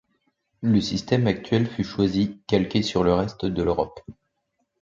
Le système actuel fut choisi, calqué sur le reste de l'Europe.